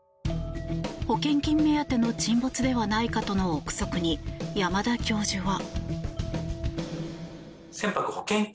保険金目当ての沈没ではないかとの臆測に山田教授は。